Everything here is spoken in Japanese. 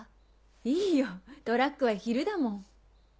いいよトラックは昼だもん。